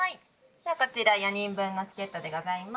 ではこちら４人分のチケットでございます。